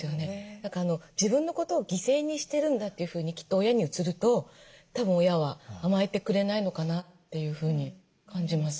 何か自分のことを犠牲にしてるんだというふうにきっと親に映るとたぶん親は甘えてくれないのかなというふうに感じます。